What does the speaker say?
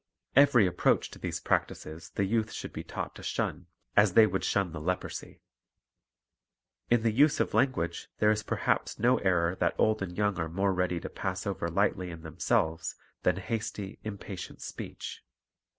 Kvery approach to these practises the youth should be. taught to shun as they would shun the leprosy. In the use of language there is perhaps no error that old and young are more ready to pass over lightly in themselves than hasty, impatient speech.